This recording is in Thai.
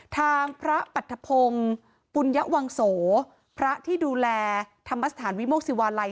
ทางพระปรัฐพงศ์ปุญญวังโสพระที่ดูแลธรรมสถานวิโมกศิวาลัย